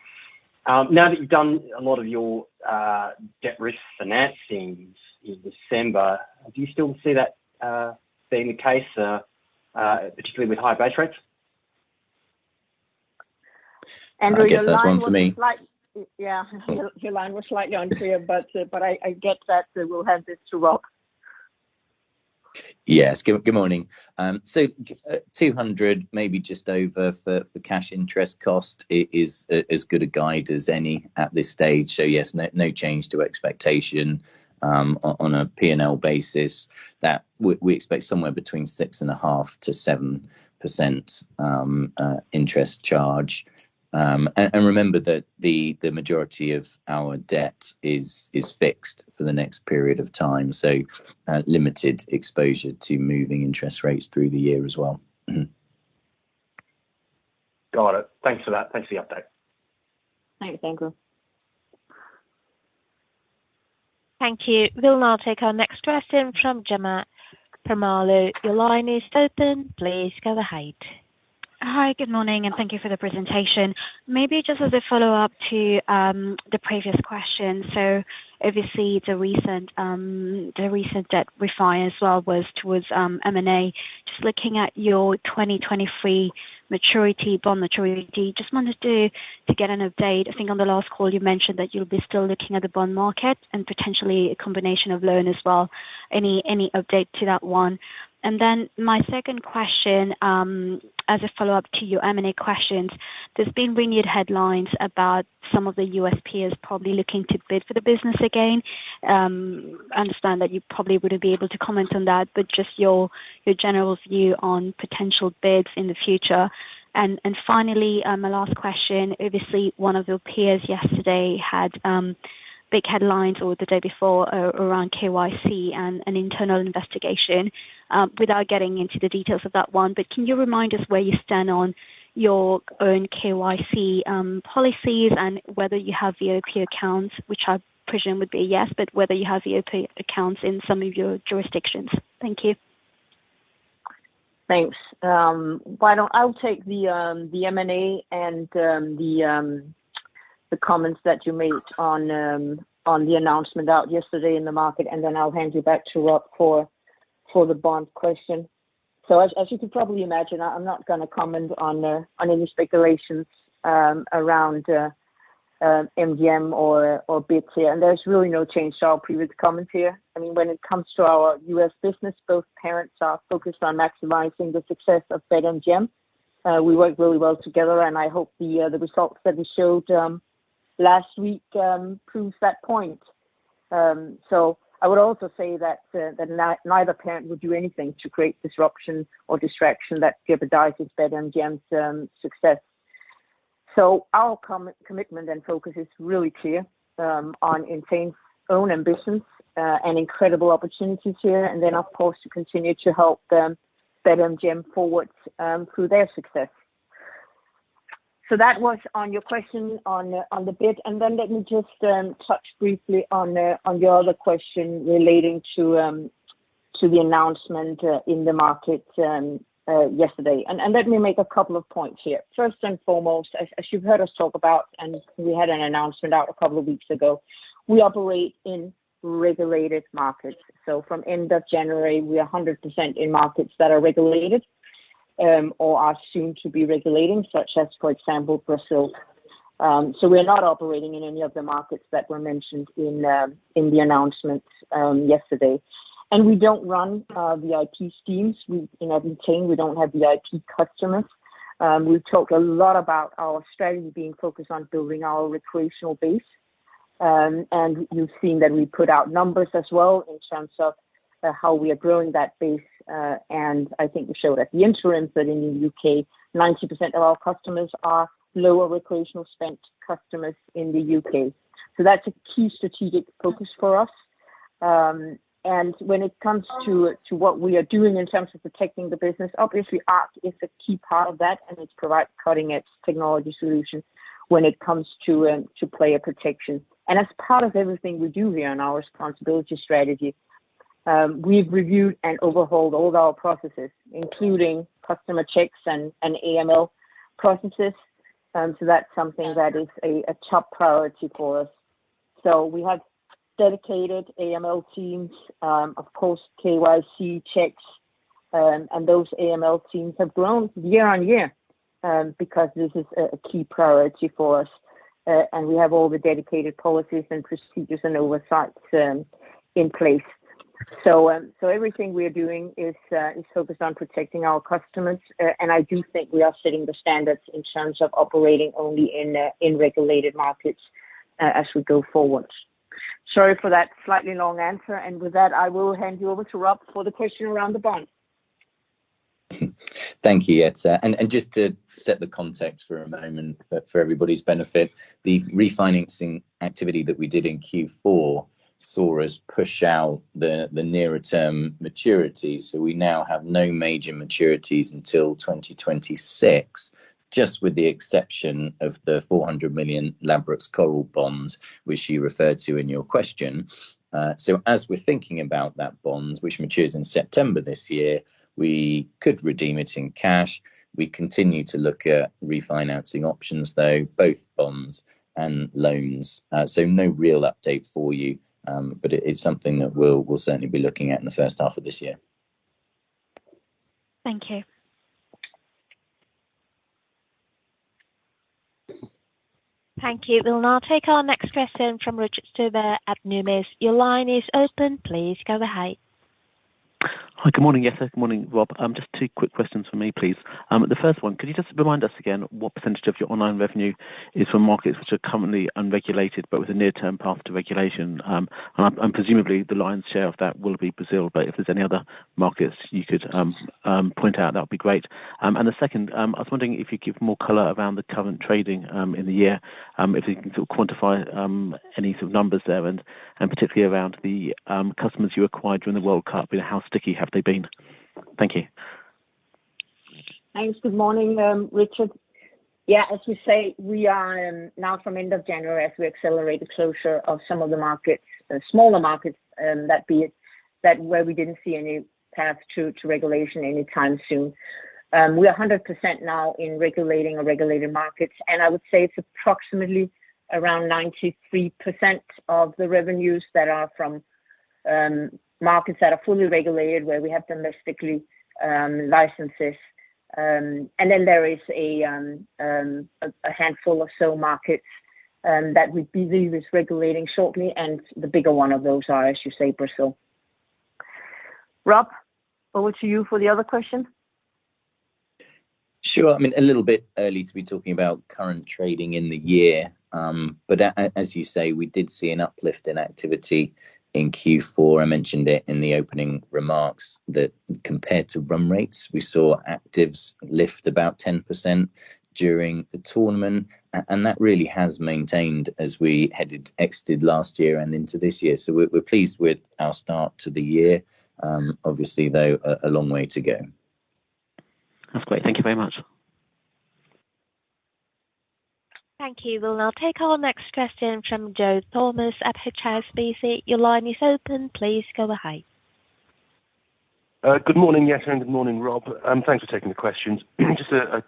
I: Now that you've done a lot of your debt ref financings in December, do you still see that being the case particularly with high base rates?
C: I guess that's one for me.
B: Andrew, your line was. Yeah.
I: Mm-hmm.
B: Your line was slightly unclear, but I get that. We'll hand it to Rob.
C: Yes. Good morning. 200, maybe just over for the cash interest cost is as good a guide as any at this stage. Yes, no change to expectation, on a P&L basis that we expect somewhere between 6.5% to 7% interest charge. Remember that the majority of our debt is fixed for the next period of time, so limited exposure to moving interest rates through the year as well.
I: Got it. Thanks for that. Thanks for the update.
B: Thank you, Andrew.
A: Thank you. We'll now take our next question from Ivor Jones. Your line is open. Please go ahead.
J: Hi. Good morning, and thank you for the presentation. Maybe just as a follow-up to the previous question. Obviously the recent debt refi as well was towards M&A. Just looking at your 2023 maturity, bond maturity, just wanted to get an update. I think on the last call you mentioned that you'll be still looking at the bond market and potentially a combination of loan as well. Any update to that one? My second question as a follow-up to your M&A questions, there's been renewed headlines about some of the US peers probably looking to bid for the business again. Understand that you probably wouldn't be able to comment on that, but just your general view on potential bids in the future. Finally, my last question, obviously one of your peers yesterday had big headlines or the day before around KYC and an internal investigation. Without getting into the details of that one, but can you remind us where you stand on your own KYC policies and whether you have VIP accounts, which I presume would be a yes, but whether you have VIP accounts in some of your jurisdictions. Thank you.
B: Thanks. I'll take the M&A and the comments that you made on the announcement out yesterday in the market, and then I'll hand you back to Rob for the bond question. As, as you can probably imagine, I'm not gonna comment on any speculations around MGM or Betclic, and there's really no change to our previous comments here. I mean, when it comes to our U.S. business, both parents are focused on maximizing the success of BetMGM. We work really well together, and I hope the results that we showed last week proves that point. I would also say that neither parent would do anything to create disruption or distraction that jeopardizes BetMGM's success. Our commitment and focus is really clear on Entain's own ambitions and incredible opportunities here, of course, to continue to help them, BetMGM forwards, through their success. That was on your question on the bid, let me just touch briefly on your other question relating to the announcement in the market yesterday. Let me make a couple of points here. First and foremost, as you've heard us talk about, and we had an announcement out a couple of weeks ago, we operate in regulated markets. From end of January, we are 100% in markets that are regulated or are soon to be regulating, such as, for example, Brazil. We're not operating in any of the markets that were mentioned in the announcement yesterday. We don't run VIP schemes. We, in Entain, we don't have VIP customers. We've talked a lot about our strategy being focused on building our recreational base. You've seen that we put out numbers as well in terms of how we are growing that base. I think we showed at the interim that in the UK, 90% of our customers are lower recreational spent customers in the UK. That's a key strategic focus for us. When it comes to what we are doing in terms of protecting the business, obviously ARC is a key part of that, and it provides cutting-edge technology solutions when it comes to player protection. As part of everything we do here in our responsibility strategy, we've reviewed and overhauled all our processes, including customer checks and AML processes. That's something that is a top priority for us. We have dedicated AML teams, of course, KYC checks, and those AML teams have grown year-on-year because this is a key priority for us. We have all the dedicated policies and procedures and oversights in place. Everything we are doing is focused on protecting our customers. I do think we are setting the standards in terms of operating only in regulated markets as we go forward. Sorry for that slightly long answer. With that, I will hand you over to Rob for the question around the bond.
C: Thank you, Jette. Just to set the context for a moment for everybody's benefit, the refinancing activity that we did in Q4 saw us push out the nearer term maturities. We now have no major maturities until 2026, just with the exception of the 400 million Ladbrokes Coral bond, which you referred to in your question. As we're thinking about that bond, which matures in September this year, we could redeem it in cash. We continue to look at refinancing options, though, both bonds and loans. No real update for you. But it is something that we'll certainly be looking at in the first half of this year.
J: Thank you.
A: Thank you. We'll now take our next question from Richard Stuber at Numis. Your line is open. Please go ahead.
K: Hi. Good morning, Jette. Good morning, Rob. Just two quick questions from me, please. The first one, could you just remind us again what % of your online revenue is from markets which are currently unregulated but with a near-term path to regulation? Presumably, the lion's share of that will be Brazil, but if there's any other markets you could point out, that'd be great. The second, I was wondering if you could give more color around the current trading in the year. If you can quantify any sort of numbers there and particularly around the customers you acquired during the World Cup and how sticky have they been? Thank you.
B: Thanks. Good morning, Richard. Yeah, as you say, we are now from end of January, as we accelerate the closure of some of the markets, the smaller markets, that be it, that where we didn't see any path to regulation anytime soon. We are 100% now in regulating or regulated markets. I would say it's approximately around 93% of the revenues that are from markets that are fully regulated, where we have domestically licenses. Then there is a handful of sole markets that we're busy with regulating shortly, and the bigger one of those are, as you say, Brazil. Rob, over to you for the other question.
C: Sure. I mean, a little bit early to be talking about current trading in the year. As you say, we did see an uplift in activity in Q4. I mentioned it in the opening remarks that compared to run rates, we saw actives lift about 10% during the tournament. That really has maintained as we headed, exited last year and into this year. We're pleased with our start to the year. Obviously, though, a long way to go.
K: That's great. Thank you very much.
A: Thank you. We'll now take our next question from Joe Thomas at HSBC. Your line is open. Please go ahead.
L: Good morning, Jette, good morning, Rob. Thanks for taking the questions. Just a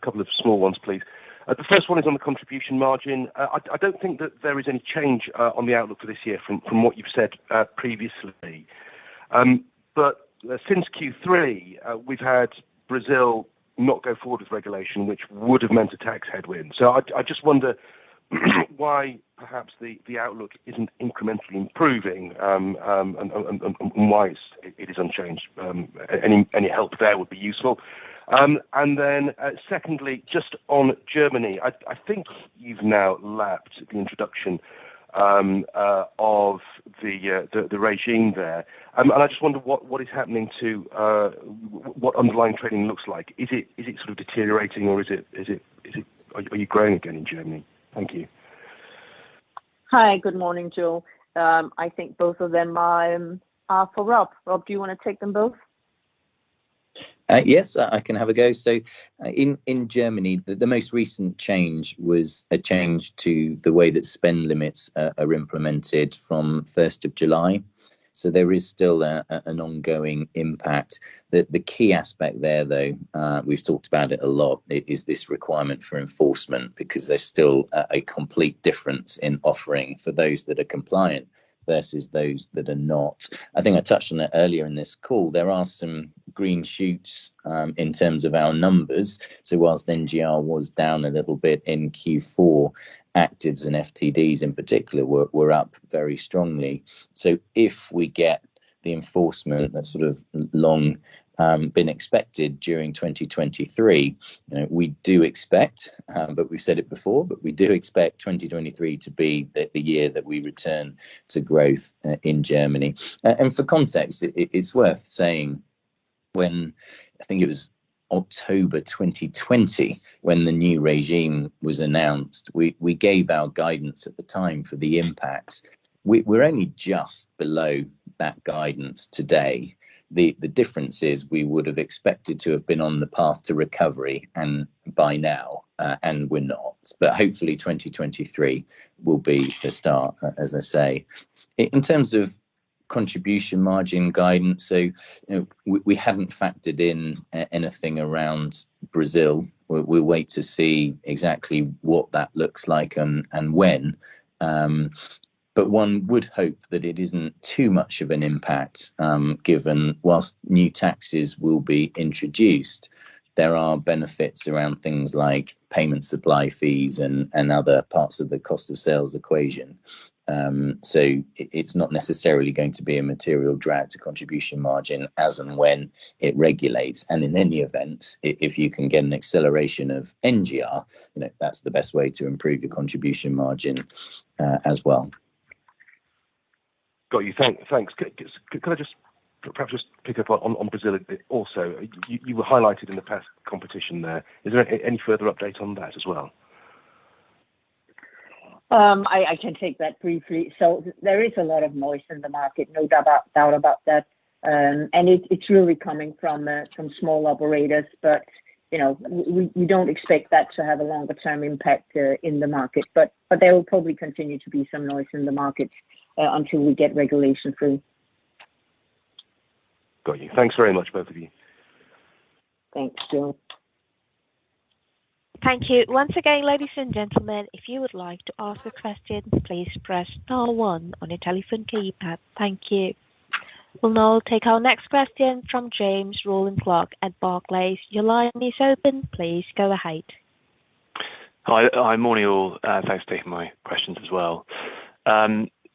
L: couple of small ones, please. The first one is on the contribution margin. I don't think that there is any change on the outlook for this year from what you've said previously. Since Q3, we've had Brazil not go forward with regulation, which would have meant a tax headwind. I just wonder why perhaps the outlook isn't incrementally improving and why it is unchanged. Any help there would be useful. Then, secondly, just on Germany, I think you've now lapped the introduction of the regime there. I just wonder what underlying trading looks like. Is it sort of deteriorating or is it Are you growing again in Germany? Thank you.
B: Hi. Good morning, Joe. I think both of them are for Rob. Rob, do you wanna take them both?
C: Yes, I can have a go. In Germany, the most recent change was a change to the way that spend limits are implemented from 1st of July. There is still an ongoing impact. The key aspect there, though, we've talked about it a lot, is this requirement for enforcement because there's still a complete difference in offering for those that are compliant versus those that are not. I think I touched on it earlier in this call, there are some green shoots in terms of our numbers. Whilst NGR was down a little bit in Q4, actives and FTDs in particular were up very strongly. If we get the enforcement that sort of long, you know, been expected during 2023, we do expect, we've said it before, we do expect 2023 to be the year that we return to growth in Germany. For context, it's worth saying when, I think it was October 2020, when the new regime was announced, we gave our guidance at the time for the impacts. We're only just below that guidance today. The difference is we would have expected to have been on the path to recovery by now, and we're not. Hopefully 2023 will be the start, as I say. In terms of contribution margin guidance, you know, we haven't factored in anything around Brazil. We'll wait to see exactly what that looks like and when. One would hope that it isn't too much of an impact, given whilst new taxes will be introduced, there are benefits around things like payment supply fees and other parts of the cost of sales equation. It's not necessarily going to be a material drag to contribution margin as and when it regulates. In any event, if you can get an acceleration of NGR, you know, that's the best way to improve your contribution margin as well.
L: Got you. Thanks. Could I just perhaps just pick up on Brazil a bit also? You were highlighted in the past competition there. Is there any further update on that as well?
B: I can take that briefly. There is a lot of noise in the market, no doubt about that. It's really coming from small operators. You know, we don't expect that to have a longer term impact in the market. There will probably continue to be some noise in the market until we get regulation through.
L: Got you. Thanks very much, both of you.
B: Thanks, Joe.
A: Thank you. Once again, ladies and gentlemen, if you would like to ask a question, please press star one on your telephone keypad. Thank you. We'll now take our next question from James Rowland Clark at Barclays. Your line is open. Please go ahead.
M: Hi. Morning, all. Thanks for taking my questions as well.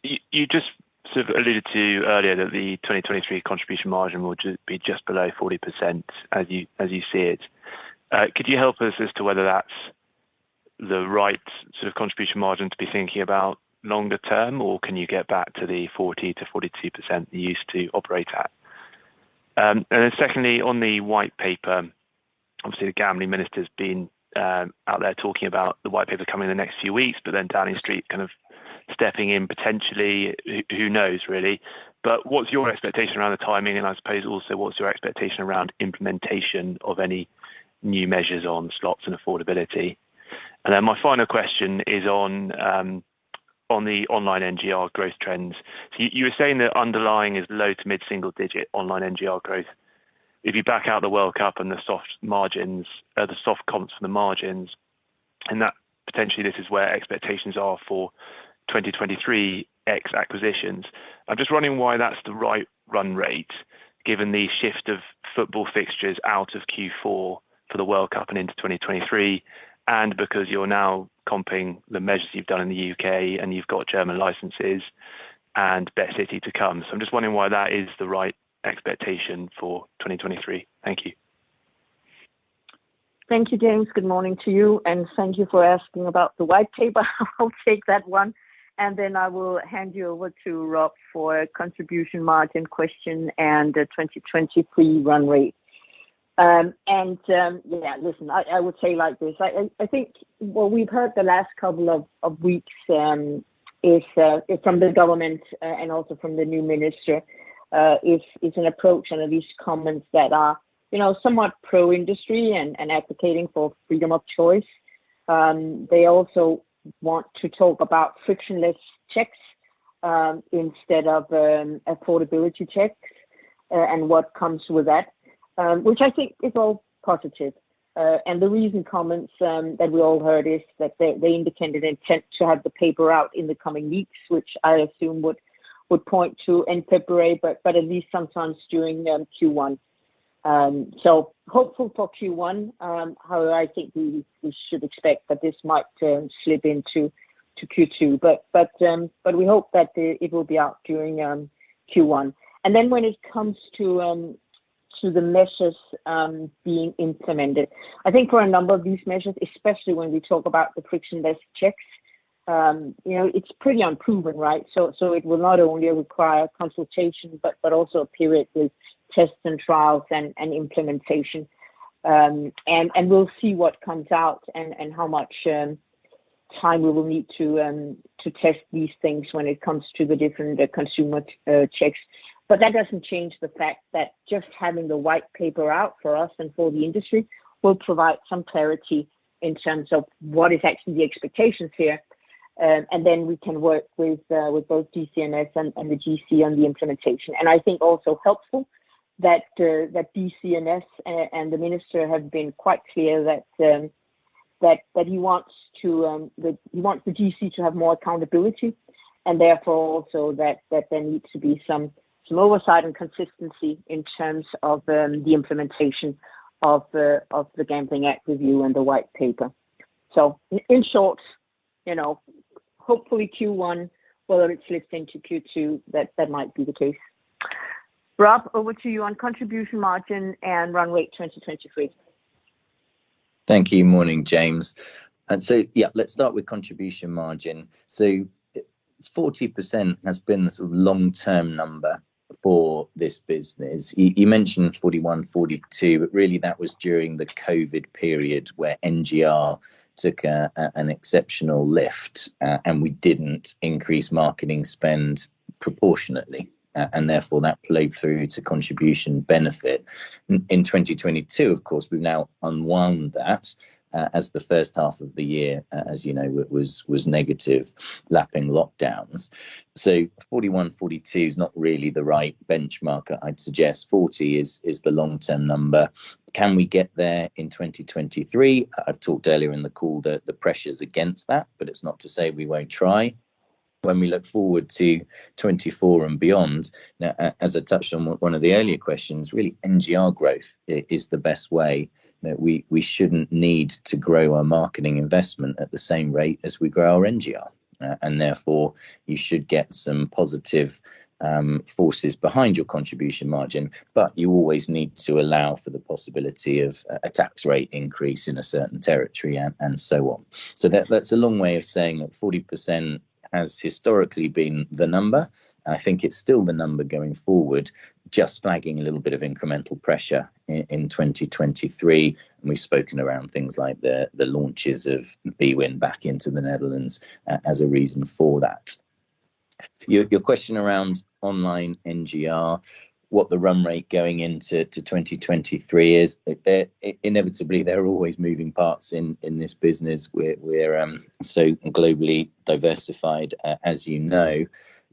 M: You just sort of alluded to earlier that the 2023 contribution margin would be just below 40% as you see it. Could you help us as to whether that's the right sort of contribution margin to be thinking about longer term, or can you get back to the 40% to 42% you used to operate at? Secondly, on the white paper, obviously the gambling minister's been out there talking about the white paper coming in the next few weeks, but then Downing Street kind of stepping in potentially, who knows, really? What's your expectation around the timing, and I suppose also what's your expectation around implementation of any new measures on slots and affordability? My final question is on the online NGR growth trends. You were saying that underlying is low to mid-single digit online NGR growth. If you back out the World Cup and the soft margins, the soft comps from the margins, and that potentially this is where expectations are for 2023 X acquisitions. I'm just wondering why that's the right run rate, given the shift of football fixtures out of Q4 for the World Cup and into 2023, and because you're now comping the measures you've done in the U.K. and you've got German licenses. BetCity to come. I'm just wondering why that is the right expectation for 2023. Thank you.
B: Thank you, James. Good morning to you, and thank you for asking about the white paper. I'll take that one, and then I will hand you over to Rob for contribution margin question and the 2023 run rate. Listen, I would say like this. I think what we've heard the last couple of weeks is from the government and also from the new minister is an approach and at least comments that are, you know, somewhat pro-industry and advocating for freedom of choice. They also want to talk about frictionless checks instead of affordability checks and what comes with that, which I think is all positive. The recent comments that we all heard is that they indicated intent to have the paper out in the coming weeks, which I assume would point to in February, but at least sometime during Q1. Hopeful for Q1. However, I think we should expect that this might slip into Q2. We hope that it will be out during Q1. When it comes to the measures being implemented. I think for a number of these measures, especially when we talk about the frictionless checks, you know, it's pretty unproven, right? It will not only require consultation, but also a period with tests and trials and implementation. We'll see what comes out and how much time we will need to test these things when it comes to the different consumer checks. That doesn't change the fact that just having the white paper out for us and for the industry will provide some clarity in terms of what is actually the expectations here. We can work with both DCMS and the GC on the implementation. I think also helpful that DCMS and the minister have been quite clear that he wants the GC to have more accountability, and therefore, also that there needs to be some oversight and consistency in terms of the implementation of the Gambling Act review and the white paper. In short, you know, hopefully Q1, whether it slips into Q2, that might be the case. Rob, over to you on contribution margin and run rate 2023.
C: Thank you. Morning, James. Yeah, let's start with contribution margin. 40% has been the sort of long-term number for this business. You mentioned 41, 42, but really that was during the COVID period, where NGR took an exceptional lift, and we didn't increase marketing spend proportionately, and therefore that played through to contribution benefit. In 2022, of course, we've now unwound that as the first half of the year, as you know, was negative, lapping lockdowns. 41, 42 is not really the right benchmark. I'd suggest 40 is the long-term number. Can we get there in 2023? I've talked earlier in the call the pressures against that, but it's not to say we won't try. When we look forward to 2024 and beyond, as I touched on one of the earlier questions, really NGR growth is the best way that we shouldn't need to grow our marketing investment at the same rate as we grow our NGR. Therefore, you should get some positive forces behind your contribution margin, but you always need to allow for the possibility of a tax rate increase in a certain territory and so on. That's a long way of saying that 40% has historically been the number. I think it's still the number going forward, just flagging a little bit of incremental pressure in 2023. We've spoken around things like the launches of bwin back into the Netherlands as a reason for that. Your question around online NGR, what the run rate going into 2023 is. Inevitably, there are always moving parts in this business. We're so globally diversified, as you know.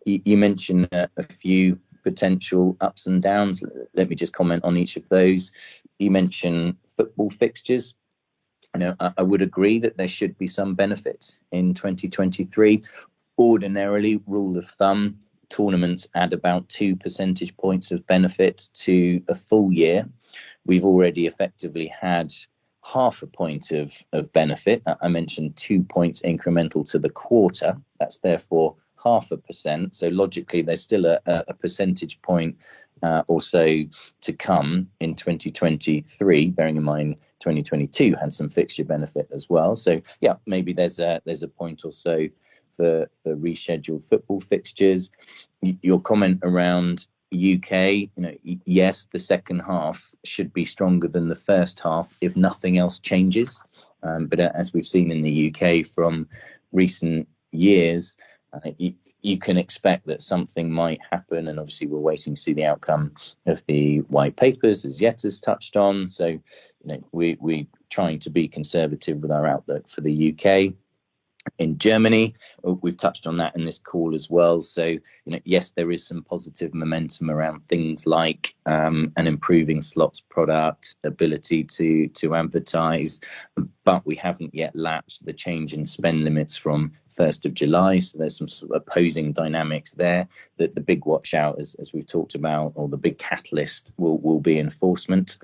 C: You mentioned a few potential ups and downs. Let me just comment on each of those. You mentioned football fixtures. You know, I would agree that there should be some benefit in 2023. Ordinarily, rule of thumb, tournaments add about 2 percentage points of benefit to a full year. We've already effectively had half a point of benefit. I mentioned 2 points incremental to the quarter. That's therefore 0.5%. Logically, there's still a percentage point or so to come in 2023, bearing in mind 2022 had some fixture benefit as well. Yeah, maybe there's a point or so for the rescheduled football fixtures. Your comment around UK, you know, yes, the second half should be stronger than the first half if nothing else changes. As we've seen in the UK from recent years, you can expect that something might happen, and obviously we're waiting to see the outcome of the white papers, as Jette has touched on. You know, we're trying to be conservative with our outlook for the UK. In Germany, we've touched on that in this call as well. You know, yes, there is some positive momentum around things like an improving slots product, ability to advertise. We haven't yet lapped the change in spend limits from 1st of July. There's some sort of opposing dynamics there that the big watch-out, as we've talked about or the big catalyst will be enforcement.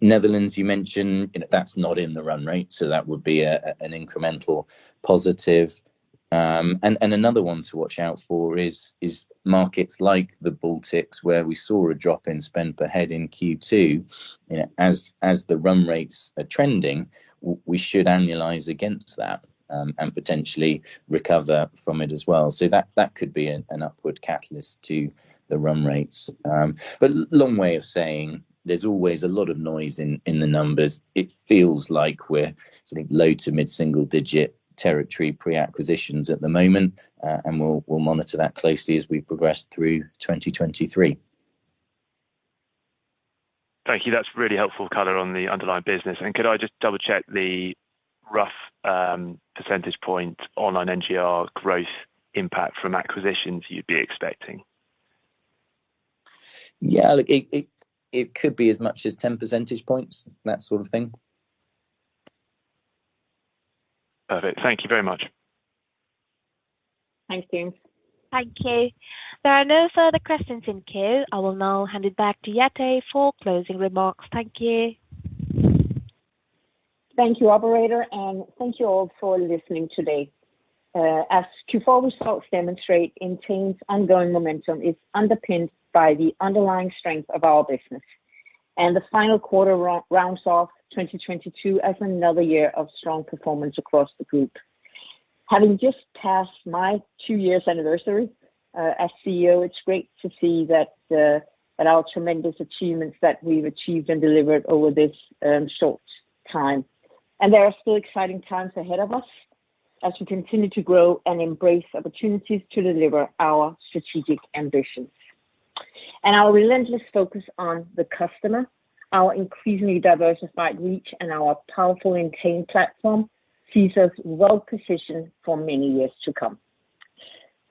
C: Netherlands, you mentioned, you know, that's not in the run rate. That would be an incremental positive. Another one to watch out for is markets like the Baltics, where we saw a drop in spend per head in Q2. You know, as the run rates are trending, we should annualize against that and potentially recover from it as well. That could be an upward catalyst to the run rates. Long way of saying there's always a lot of noise in the numbers. It feels like we're sort of low to mid-single digit territory pre-acquisitions at the moment. We'll monitor that closely as we progress through 2023.
M: Thank you. That's really helpful color on the underlying business. Could I just double-check the rough percentage point online NGR growth impact from acquisitions you'd be expecting?
C: Yeah. Look, it could be as much as 10 percentage points, that sort of thing.
M: Perfect. Thank you very much.
B: Thanks, James.
A: Thank you. There are no further questions in queue. I will now hand it back to Jette for closing remarks. Thank you.
B: Thank you, operator. Thank you all for listening today. As Q4 results demonstrate, Entain's ongoing momentum is underpinned by the underlying strength of our business. The final quarter rounds off 2022 as another year of strong performance across the group. Having just passed my 2 years anniversary, as CEO, it's great to see that our tremendous achievements that we've achieved and delivered over this short time. There are still exciting times ahead of us as we continue to grow and embrace opportunities to deliver our strategic ambitions. Our relentless focus on the customer, our increasingly diversified reach, and our powerful Entain platform sees us well positioned for many years to come.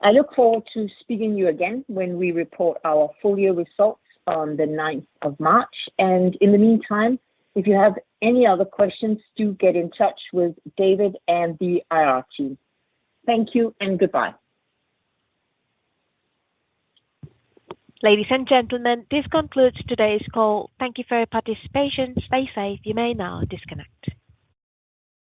B: I look forward to speaking to you again when we report our full year results on the ninth of March. In the meantime, if you have any other questions, do get in touch with David and the IR team. Thank you and goodbye.
A: Ladies and gentlemen, this concludes today's call. Thank you for your participation. Stay safe. You may now disconnect.